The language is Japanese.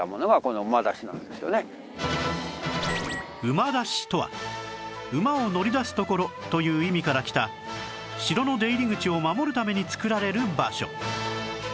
馬出しとは馬を乗り出す所という意味からきた城の出入り口を守るために作られる場所